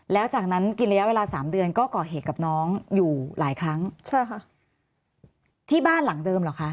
แล้วจากนั้นกินระยะเวลาสามเดือนก็ก่อเหตุกับน้องอยู่หลายครั้งใช่ค่ะที่บ้านหลังเดิมเหรอคะ